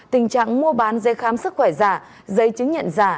tình trạng mua bán dây khám sức khỏe giả giấy chứng nhận giả